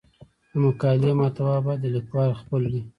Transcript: د مقالې محتوا باید د لیکوال خپل وي.